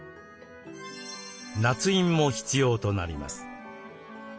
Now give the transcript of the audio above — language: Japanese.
なつ印も必要となります。